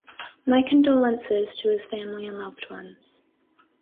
My condolences to his family and loved ones.